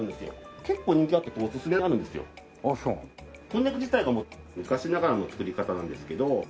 こんにゃく自体がもう昔ながらの作り方なんですけど